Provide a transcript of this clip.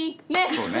そうね。